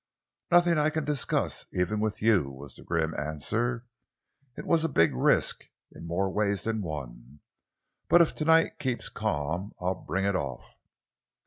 "Nothing I can discuss, even with you," was the grim answer. "It was a big risk, in more ways than one, but if to night keeps calm I'll bring it off."